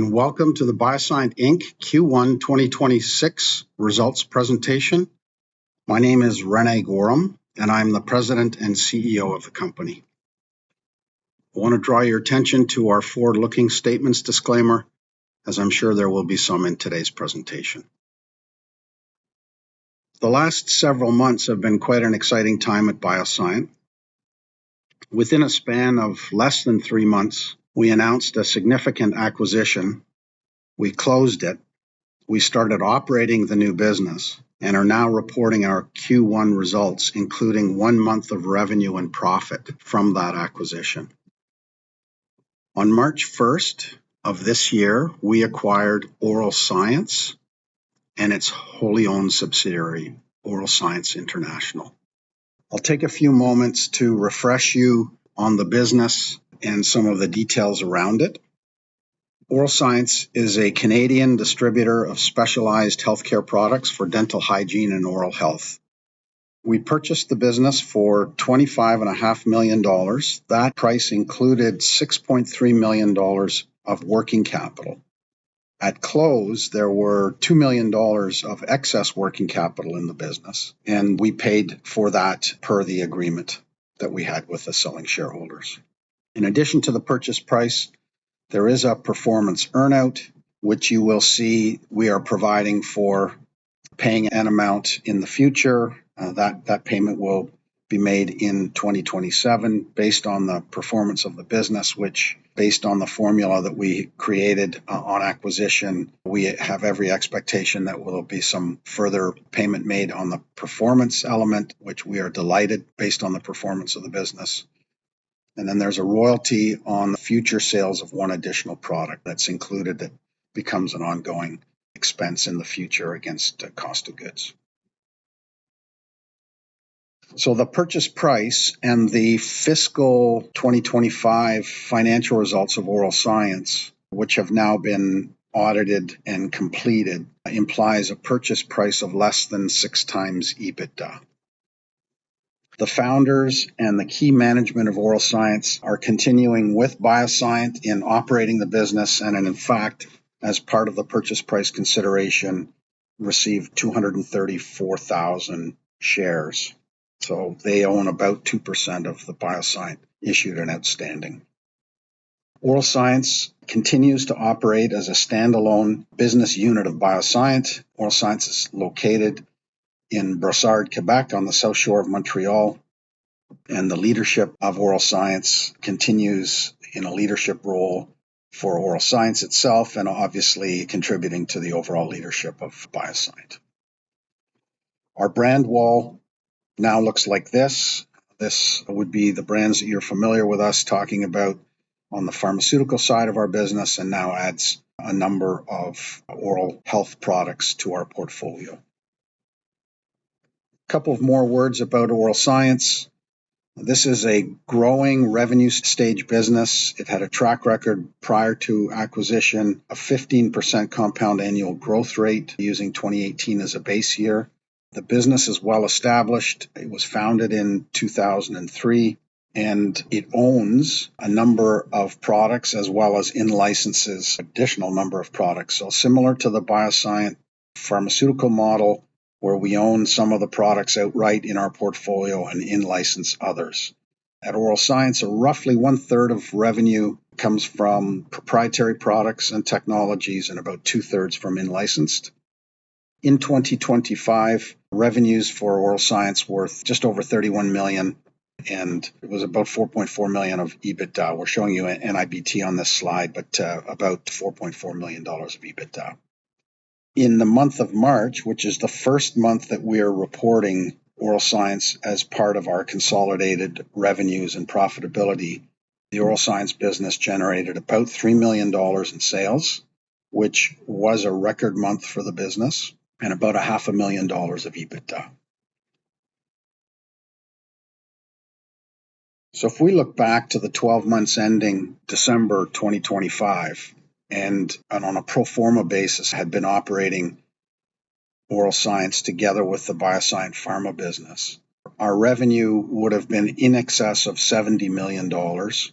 Hello, and welcome to the BioSyent Inc. Q1 2026 results presentation. My name is René Goehrum, and I'm the President and CEO of the company. I want to draw your attention to our forward-looking statements disclaimer, as I'm sure there will be some in today's presentation. The last several months have been quite an exciting time at BioSyent. Within a span of less than three months, we announced a significant acquisition. We closed it. We started operating the new business and are now reporting our Q1 results, including one month of revenue and profit from that acquisition. On March first of this year, we acquired Oral Science and its wholly-owned subsidiary, Oral Science International. I'll take a few moments to refresh you on the business and some of the details around it. Oral Science is a Canadian distributor of specialized healthcare products for dental hygiene and oral health. We purchased the business for 25.5 Million dollars. That price included 6.3 million dollars of working capital. At close, there were 2 million dollars of excess working capital in the business, and we paid for that per the agreement that we had with the selling shareholders. In addition to the purchase price, there is a performance earn-out, which you will see we are providing for paying an amount in the future. That payment will be made in 2027 based on the performance of the business, which based on the formula that we created on acquisition, we have every expectation that there will be some further payment made on the performance element, which we are delighted based on the performance of the business. There's a royalty on the future sales of one additional product that's included that becomes an ongoing expense in the future against the cost of goods. The purchase price and the fiscal 2025 financial results of Oral Science, which have now been audited and completed, implies a purchase price of less than six times EBITDA. The founders and the key management of Oral Science are continuing with BioSyent in operating the business and in fact, as part of the purchase price consideration, received 234,000 shares. They own about 2% of the BioSyent issued and outstanding. Oral Science continues to operate as a standalone business unit of BioSyent. Oral Science is located in Brossard, Quebec on the south shore of Montreal, and the leadership of Oral Science continues in a leadership role for Oral Science itself and obviously contributing to the overall leadership of BioSyent. Our brand wall now looks like this. This would be the brands that you're familiar with us talking about on the pharmaceutical side of our business and now adds a number of oral health products to our portfolio. A couple of more words about Oral Science. This is a growing revenue stage business. It had a track record prior to acquisition of 15% compound annual growth rate using 2018 as a base year. The business is well-established. It was founded in 2003, and it owns a number of products as well as in-licenses additional number of products. Similar to the BioSyent pharmaceutical model, where we own some of the products outright in our portfolio and in-license others. At Oral Science, roughly 1/3 of revenue comes from proprietary products and technologies and about 2/3 from in-licensed. In 2025, revenues for Oral Science worth just over 31 million, and it was about 4.4 million of EBITDA. We're showing you NIBT on this slide, but about 4.4 million dollars of EBITDA. In the month of March, which is the first month that we are reporting Oral Science as part of our consolidated revenues and profitability, the Oral Science business generated about 3 million dollars in sales, which was a record month for the business and about 500,000 dollars of EBITDA. If we look back to the 12 months ending December 2025, and on a pro forma basis had been operating Oral Science together with the BioSyent Pharma business, our revenue would have been in excess of 70 million dollars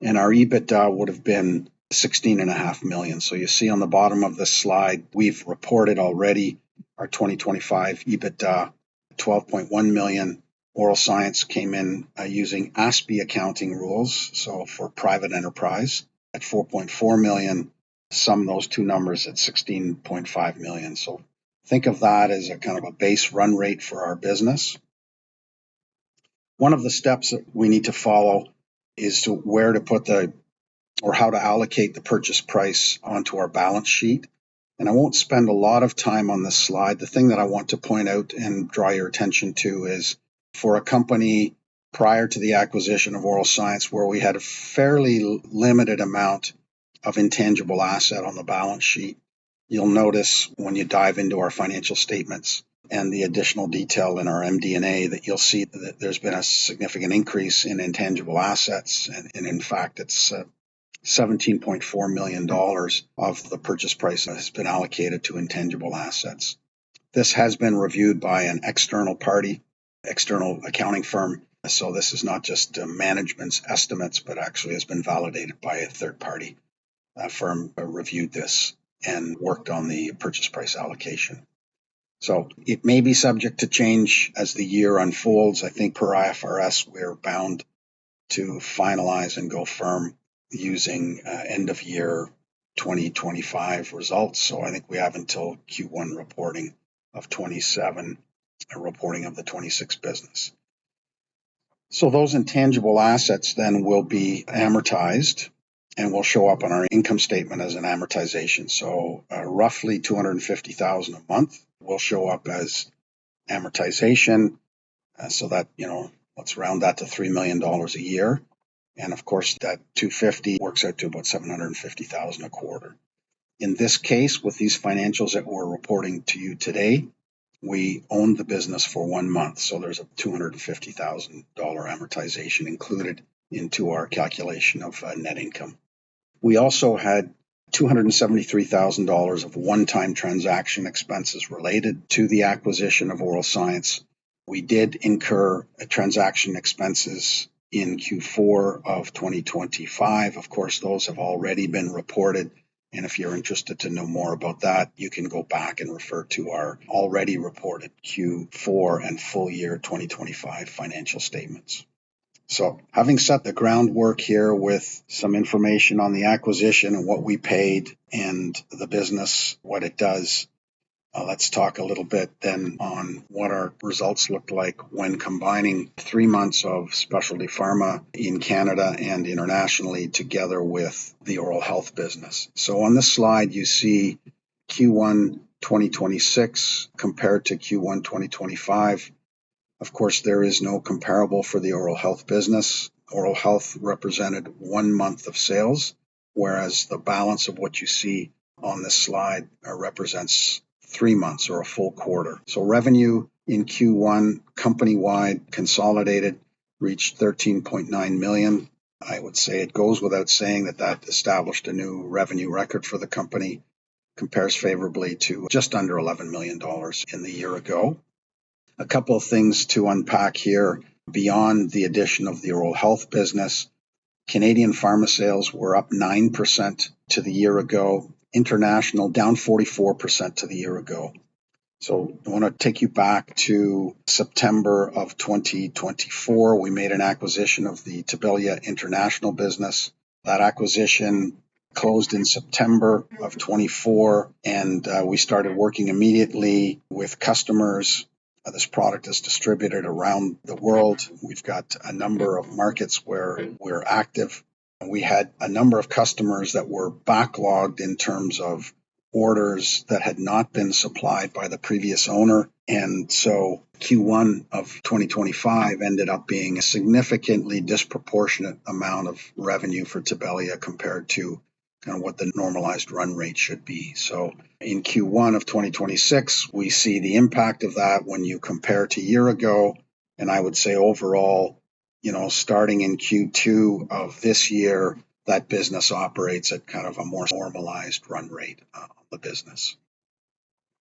and our EBITDA would have been 16.5 million. You see on the bottom of this slide, we've reported already our 2025 EBITDA, 12.1 million. Oral Science came in, using ASPE accounting rules, for private enterprise at 4.4 million. Sum those two numbers at 16.5 million. Think of that as a kind of a base run rate for our business. One of the steps that we need to follow is to where to put the or how to allocate the purchase price onto our balance sheet. I won't spend a lot of time on this slide. The thing that I want to point out and draw your attention to is for a company, prior to the acquisition of Oral Science, where we had a fairly limited amount of intangible asset on the balance sheet. You'll notice when you dive into our financial statements and the additional detail in our MD&A that you'll see that there's been a significant increase in intangible assets. In fact, it's 17.4 million dollars of the purchase price has been allocated to intangible assets. This has been reviewed by an external party, external accounting firm. This is not just management's estimates, but actually has been validated by a third party. A firm reviewed this and worked on the purchase price allocation. It may be subject to change as the year unfolds. I think per IFRS, we're bound to finalize and go firm using end of year 2025 results. I think we have until Q1 reporting of 2027, a reporting of the 2026 business. Those intangible assets will be amortized and will show up on our income statement as an amortization. Roughly 250,000 a month will show up as amortization, so that, you know, let's round that to 3 million dollars a year. Of course, that 250,000 works out to about 750,000 a quarter. In this case, with these financials that we're reporting to you today, we owned the business for one month, so there's a 250,000 dollar amortization included into our calculation of net income. We also had 273,000 dollars of one-time transaction expenses related to the acquisition of Oral Science Inc. We did incur transaction expenses in Q4 of 2025. Of course, those have already been reported, and if you're interested to know more about that, you can go back and refer to our already reported Q4 and full year 2025 financial statements. Having set the groundwork here with some information on the acquisition and what we paid and the business, what it does, let's talk a little bit then on what our results look like when combining three months of specialty pharma in Canada and internationally together with the oral health business. On this slide, you see Q1 2026 compared to Q1 2025. Of course, there is no comparable for the oral health business. Oral health represented one month of sales, whereas the balance of what you see on this slide represents three months or a full quarter. Revenue in Q1 company-wide consolidated reached 13.9 million. I would say it goes without saying that that established a new revenue record for the company. Compares favorably to just under 11 million dollars in the year ago. A couple of things to unpack here. Beyond the addition of the oral health business, Canadian pharma sales were up 9% to the year ago, international down 44% to the year ago. I wanna take you back to September of 2024. We made an acquisition of the Tibelia international business. That acquisition closed in September of 2024, and we started working immediately with customers. This product is distributed around the world. We've got a number of markets where we're active. We had a number of customers that were backlogged in terms of orders that had not been supplied by the previous owner. Q1 of 2025 ended up being a significantly disproportionate amount of revenue for Tibelia, compared to kind of what the normalized run rate should be. In Q1 of 2026, we see the impact of that when you compare to year-ago, and I would say overall, you know, starting in Q2 of this year, that business operates at kind of a more normalized run rate of the business.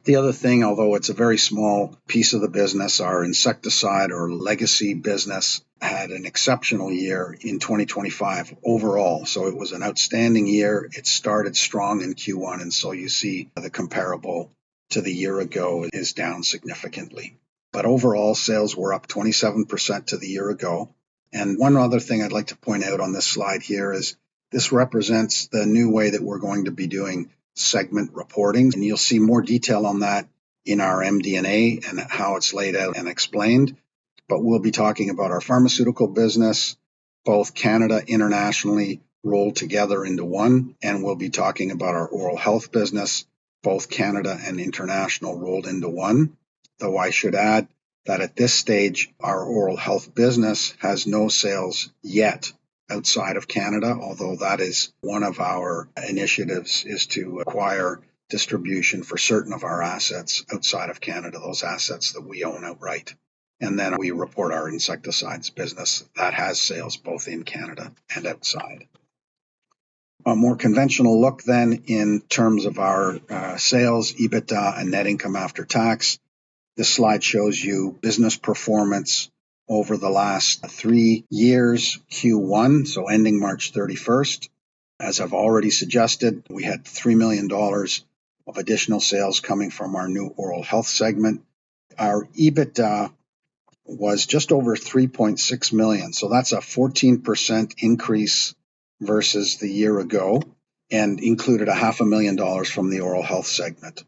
The other thing, although it's a very small piece of the business, our insecticide or legacy business had an exceptional year in 2025 overall, so it was an outstanding year. It started strong in Q1, you see the comparable to the year-ago is down significantly. Overall, sales were up 27% to the year ago. One other thing I'd like to point out on this slide here is this represents the new way that we're going to be doing segment reporting, and you'll see more detail on that in our MD&A and how it's laid out and explained. We'll be talking about our pharmaceutical business, both Canada, internationally, rolled together into one, and we'll be talking about our oral health business, both Canada and international, rolled into one. I should add that at this stage, our oral health business has no sales yet outside of Canada, although that is one of our initiatives, is to acquire distribution for certain of our assets outside of Canada, those assets that we own outright. We report our insecticides business that has sales both in Canada and outside. A more conventional look then in terms of our sales, EBITDA and net income after tax. This slide shows you business performance over the last three years, Q1, so ending March 31st. As I've already suggested, we had 3 million dollars of additional sales coming from our new oral health segment. Our EBITDA was just over 3.6 million, so that's a 14% increase versus the year-ago and included 500,000 dollars from the oral health segment.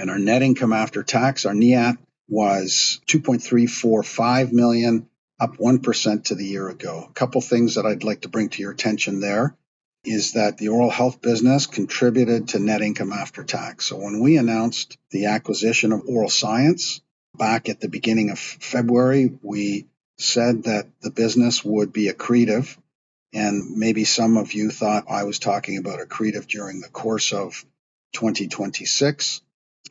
Our net income after tax, our NIAT, was 2.345 million, up 1% to the year-ago. A couple things that I'd like to bring to your attention there is that the oral health business contributed to net income after tax. When we announced the acquisition of Oral Science back at the beginning of February, we said that the business would be accretive. Maybe some of you thought I was talking about accretive during the course of 2026,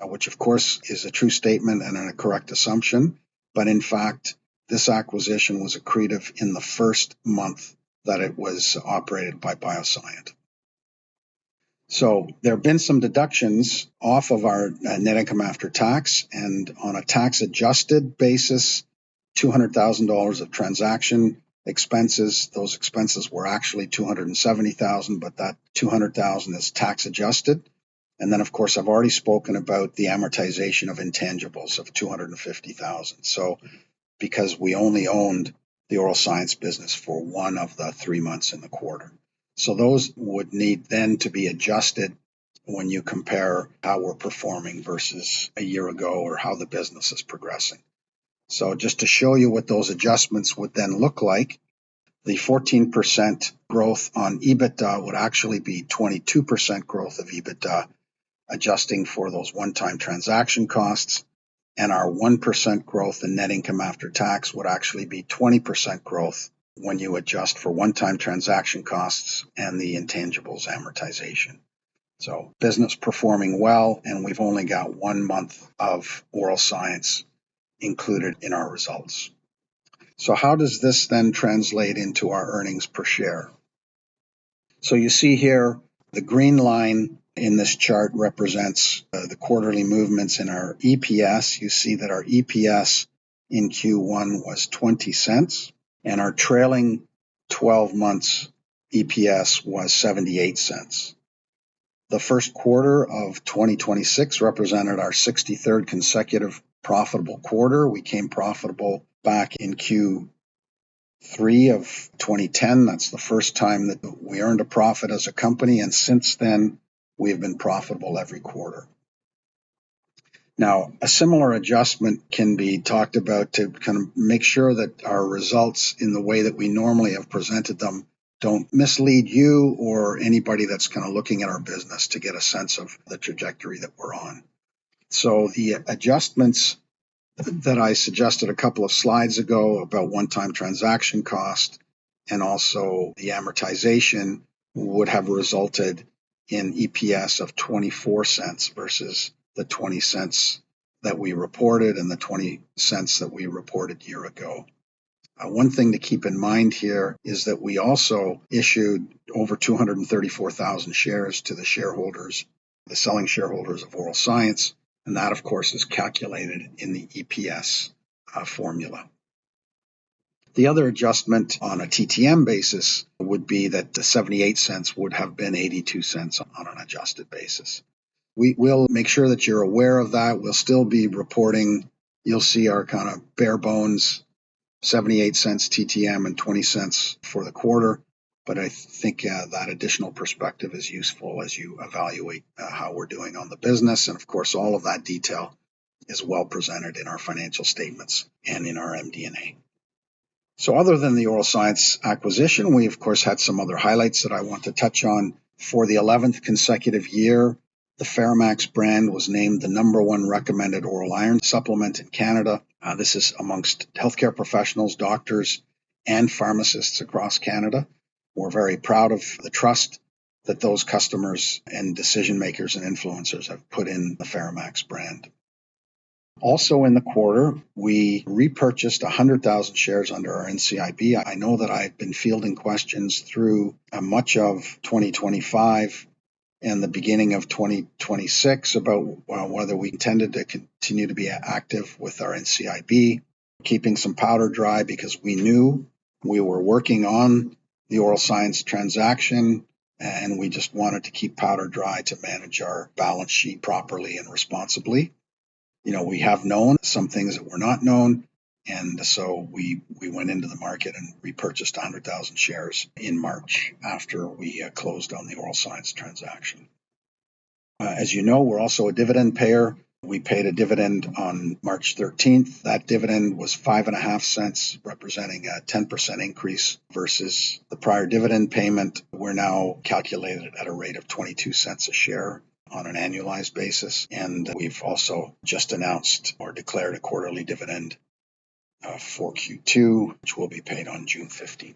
which of course is a true statement and a correct assumption. In fact, this acquisition was accretive in the first month that it was operated by BioSyent. There have been some deductions off of our net income after tax and on a tax-adjusted basis, 200,000 dollars of transaction expenses. Those expenses were actually 270,000, but that 200,000 is tax adjusted. Of course, I've already spoken about the amortization of intangibles of 250,000. Because we only owned the Oral Science business for one of the three months in the quarter. Those would need then to be adjusted when you compare how we're performing versus a year ago or how the business is progressing. Just to show you what those adjustments would then look like, the 14% growth on EBITDA would actually be 22% growth of EBITDA, adjusting for those one-time transaction costs. Our 1% growth in net income after tax would actually be 20% growth when you adjust for one-time transaction costs and the intangibles amortization. Business performing well, and we've only got month of Oral Science included in our results. How does this then translate into our earnings per share? You see here the green line in this chart represents the quarterly movements in our EPS. You see that our EPS in Q1 was 0.20, and our trailing 12 months EPS was 0.78. The first quarter of 2026 represented our 63rd consecutive profitable quarter. We came profitable back in Q3 of 2010. That's the first time that we earned a profit as a company. Since then, we have been profitable every quarter. A similar adjustment can be talked about to kind of make sure that our results in the way that we normally have presented them don't mislead you or anybody that's kind of looking at our business to get a sense of the trajectory that we're on. The adjustments that I suggested a couple of slides ago about one-time transaction cost and also the amortization would have resulted in EPS of 0.24 versus the 0.20 that we reported and the 0.20 that we reported a year ago. One thing to keep in mind here is that we also issued over 234,000 shares to the shareholders, the selling shareholders of Oral Science, and that, of course, is calculated in the EPS formula. The other adjustment on a TTM basis would be that the 0.78 would have been 0.82 on an adjusted basis. We will make sure that you're aware of that. We'll still be reporting. You'll see our kind of bare bones 0.78 TTM and 0.20 for the quarter. I think that additional perspective is useful as you evaluate how we're doing on the business. Of course, all of that detail is well presented in our financial statements and in our MD&A. Other than the Oral Science acquisition, we of course, had some other highlights that I want to touch on. For the 11th consecutive year, the FeraMAX brand was named the number one recommended oral iron supplement in Canada. This is amongst healthcare professionals, doctors, and pharmacists across Canada. We're very proud of the trust that those customers and decision-makers and influencers have put in the FeraMAX brand. Also in the quarter, we repurchased 100,000 shares under our NCIB. I know that I've been fielding questions through much of 2025 and the beginning of 2026 about whether we intended to continue to be active with our NCIB, keeping some powder dry because we knew we were working on the Oral Science transaction, and we just wanted to keep powder dry to manage our balance sheet properly and responsibly. You know, we have known some things that were not known. We went into the market and repurchased 100,000 shares in March after we closed on the Oral Science transaction. As you know, we're also a dividend payer. We paid a dividend on March 13th. That dividend was five and a half cents, representing a 10% increase versus the prior dividend payment. We're now calculated at a rate of 0.22 a share on an annualized basis. We've also just announced or declared a quarterly dividend for Q2, which will be paid on June 15th.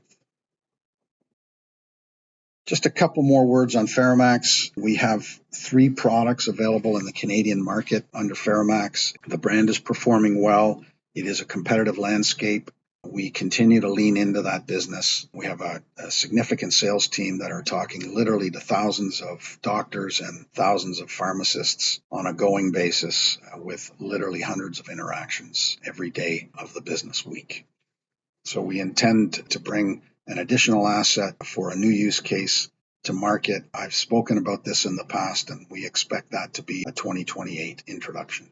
Just a couple more words on FeraMAX. We have three products available in the Canadian market under FeraMAX. The brand is performing well. It is a competitive landscape. We continue to lean into that business. We have a significant sales team that are talking literally to thousands of doctors and thousands of pharmacists on a going basis with literally hundreds of interactions every day of the business week. We intend to bring an additional asset for a new use case to market. I've spoken about this in the past, and we expect that to be a 2028 introduction.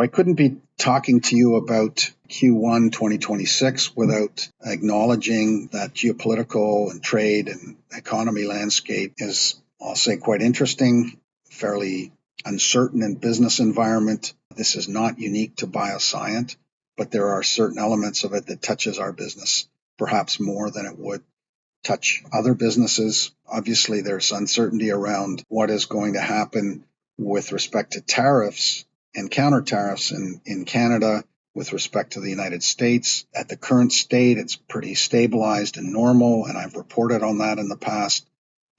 I couldn't be talking to you about Q1 2026 without acknowledging that geopolitical and trade and economy landscape is, I'll say, quite interesting, fairly uncertain in business environment. This is not unique to BioSyent, but there are certain elements of it that touches our business perhaps more than it would touch other businesses. Obviously, there's uncertainty around what is going to happen with respect to tariffs and counter-tariffs in Canada with respect to the U.S. At the current state, it's pretty stabilized and normal. I've reported on that in the past,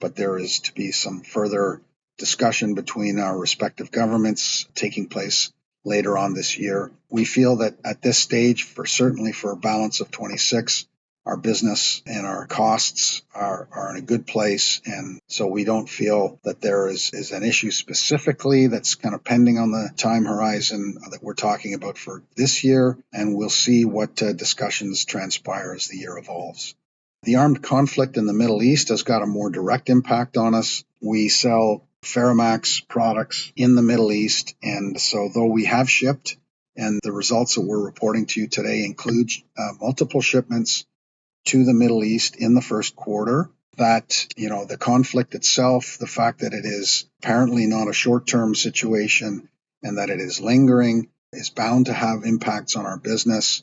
but there is to be some further discussion between our respective governments taking place later on this year. We feel that at this stage for certainly for a balance of 2026, our business and our costs are in a good place. So we don't feel that there is an issue specifically that's kind of pending on the time horizon that we're talking about for this year, and we'll see what discussions transpire as the year evolves. The armed conflict in the Middle East has got a more direct impact on us. We sell FeraMAX products in the Middle East. Though we have shipped, and the results that we're reporting to you today includes multiple shipments to the Middle East in the first quarter, that, you know, the conflict itself, the fact that it is apparently not a short-term situation and that it is lingering, is bound to have impacts on our business.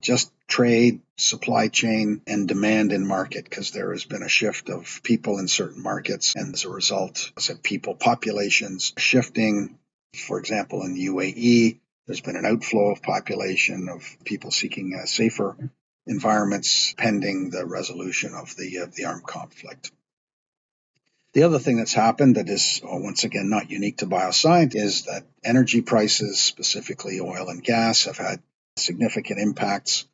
Just trade, supply chain, and demand in market, because there has been a shift of people in certain markets and as a result, some people populations shifting. For example, in the UAE, there's been an outflow of population of people seeking safer environments pending the resolution of the armed conflict. The other thing that's happened that is once again not unique to BioSyent is that energy prices, specifically oil and gas, have had significant impacts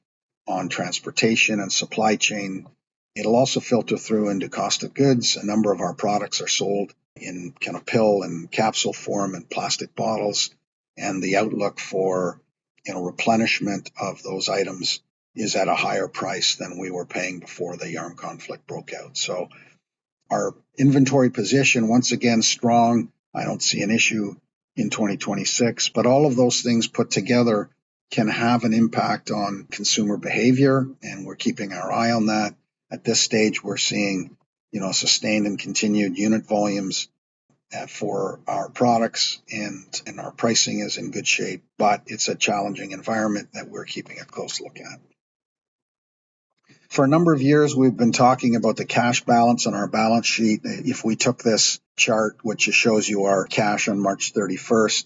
on transportation and supply chain. It'll also filter through into cost of goods. A number of our products are sold in kind of pill and capsule form and plastic bottles, the outlook for, you know, replenishment of those items is at a higher price than we were paying before the armed conflict broke out. Our inventory position, once again, strong. I don't see an issue in 2026. All of those things put together can have an impact on consumer behavior, and we're keeping our eye on that. At this stage, we're seeing, you know, sustained and continued unit volumes for our products and our pricing is in good shape. It's a challenging environment that we're keeping a close look at. For a number of years, we've been talking about the cash balance on our balance sheet. If we took this chart, which just shows you our cash on March 31st,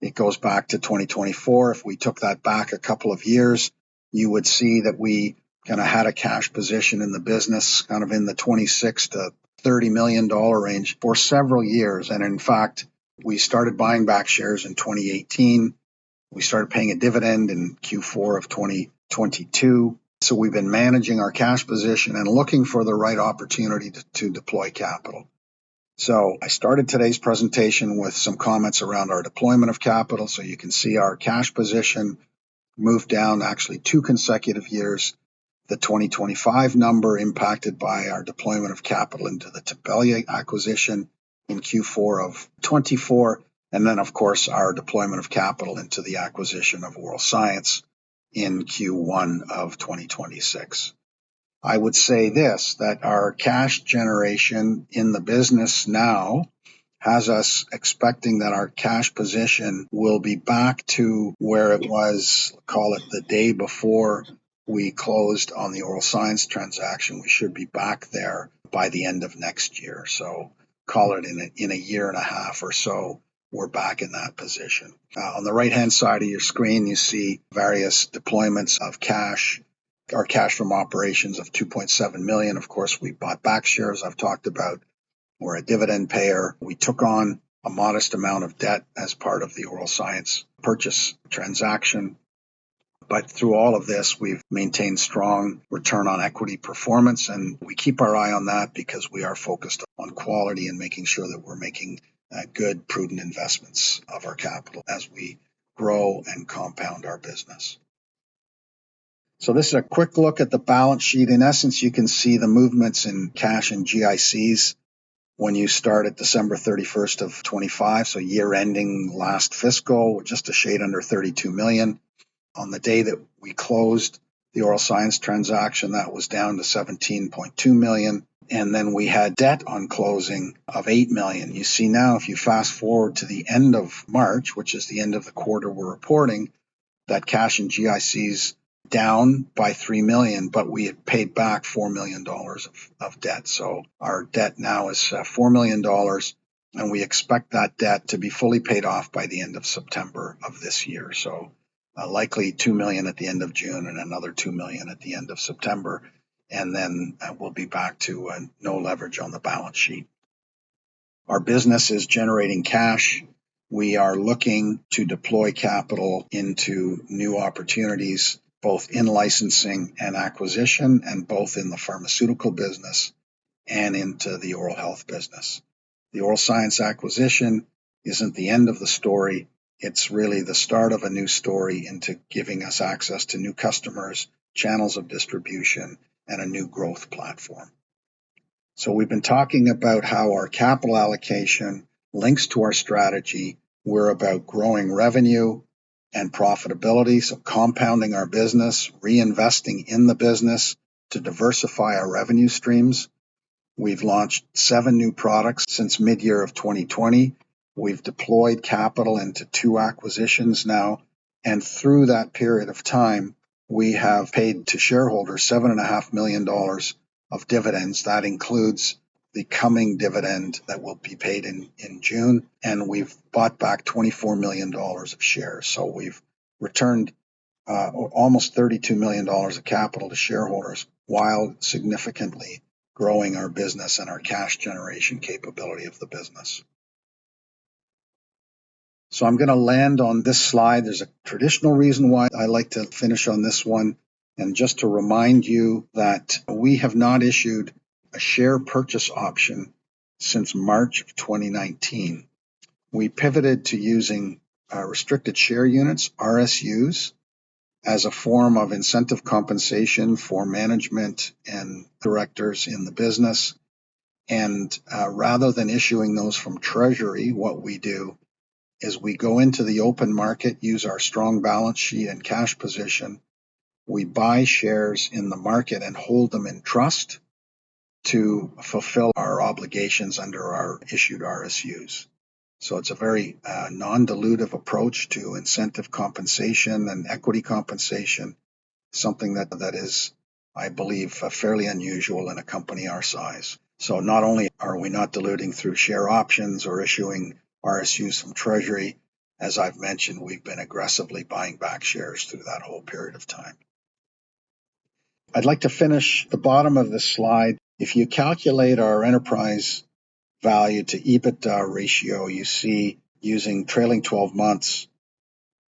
it goes back to 2024. If we took that back a couple of years, you would see that we kinda had a cash position in the business, kind of in the 26 million-30 million dollar range for several years. In fact, we started buying back shares in 2018. We started paying a dividend in Q4 of 2022. We've been managing our cash position and looking for the right opportunity to deploy capital. I started today's presentation with some comments around our deployment of capital, so you can see our cash position move down actually two consecutive years. The 2025 number impacted by our deployment of capital into the Tibelia acquisition in Q4 of 2024, and of course our deployment of capital into the acquisition of Oral Science in Q1 of 2026. I would say this, that our cash generation in the business now has us expecting that our cash position will be back to where it was, call it the day before we closed on the Oral Science transaction. We should be back there by the end of next year. Call it in a year and a half or so, we're back in that position. On the right-hand side of your screen, you see various deployments of cash. Our cash from operations of 2.7 million. Of course, we bought back shares. I've talked about we're a dividend payer. We took on a modest amount of debt as part of the Oral Science purchase transaction. Through all of this, we've maintained strong return on equity performance, and we keep our eye on that because we are focused on quality and making sure that we're making good, prudent investments of our capital as we grow and compound our business. This is a quick look at the balance sheet. In essence, you can see the movements in cash and GICs when you start at December 31st of 2025, year-ending last fiscal, just a shade under 32 million. On the day that we closed the Oral Science transaction, that was down to 17.2 million. We had debt on closing of 8 million. You see now if you fast-forward to the end of March, which is the end of the quarter we're reporting, that cash and GICs down by 3 million, but we had paid back 4 million dollars of debt. Our debt now is 4 million dollars, we expect that debt to be fully paid off by the end of September of this year. Likely 2 million at the end of June and another 2 million at the end of September. We'll be back to no leverage on the balance sheet. Our business is generating cash. We are looking to deploy capital into new opportunities, both in licensing and acquisition and both in the pharmaceutical business and into the oral health business. The Oral Science acquisition isn't the end of the story. It's really the start of a new story into giving us access to new customers, channels of distribution, and a new growth platform. We've been talking about how our capital allocation links to our strategy. We're about growing revenue and profitability, so compounding our business, reinvesting in the business to diversify our revenue streams. We've launched seven new products since mid-year of 2020. We've deployed capital into two acquisitions now. Through that period of time, we have paid to shareholders 7.5 million dollars of dividends. That includes the coming dividend that will be paid in June. We've bought back 24 million dollars of shares. We've returned almost 32 million dollars of capital to shareholders while significantly growing our business and our cash generation capability of the business. I'm gonna land on this slide. There's a traditional reason why I like to finish on this one, just to remind you that we have not issued a share purchase option since March of 2019. We pivoted to using restricted share units, RSUs, as a form of incentive compensation for management and directors in the business. Rather than issuing those from treasury, what we do is we go into the open market, use our strong balance sheet and cash position. We buy shares in the market and hold them in trust to fulfill our obligations under our issued RSUs. It's a very non-dilutive approach to incentive compensation and equity compensation, something that is, I believe, fairly unusual in a company our size. Not only are we not diluting through share options or issuing RSUs from treasury, as I've mentioned, we've been aggressively buying back shares through that whole period of time. I'd like to finish the bottom of this slide. If you calculate our enterprise value to EBITDA ratio, you see using trailing 12 months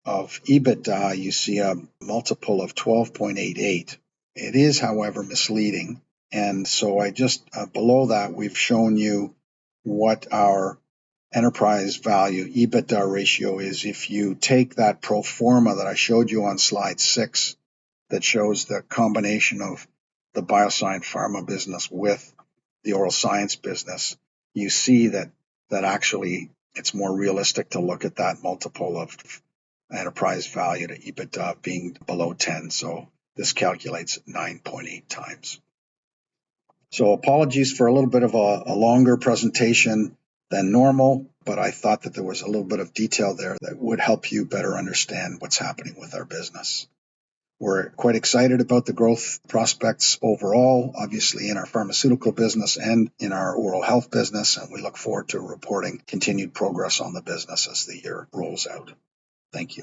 of EBITDA, you see a multiple of 12.88. It is, however, misleading. Below that, we've shown you what our enterprise value EBITDA ratio is. If you take that pro forma that I showed you on slide six that shows the combination of the BioSyent Pharma business with the Oral Science business, you see that actually it's more realistic to look at that multiple of enterprise value to EBITDA being below 10. This calculates 9.8x. Apologies for a little bit of a longer presentation than normal, but I thought that there was a little bit of detail there that would help you better understand what's happening with our business. We're quite excited about the growth prospects overall, obviously in our pharmaceutical business and in our oral health business, and we look forward to reporting continued progress on the business as the year rolls out. Thank you.